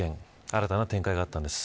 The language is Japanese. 新たな展開があったんです。